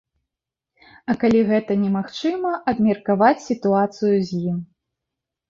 А калі гэта немагчыма, абмеркаваць сітуацыю з ім.